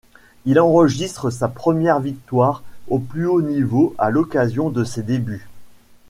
Il enregistre sa première victoire au plus haut niveau à l'occasion de ses débuts.